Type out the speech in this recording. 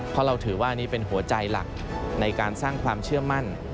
เพราะเราถือว่านี่เป็นหัวใจหลักในการสร้างความเชื่อมั่น